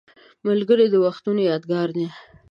ملګری د وختونو یادګار دی